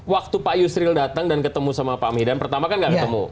waktu pak yusril datang dan ketemu sama pak mihdan pertama kan gak ketemu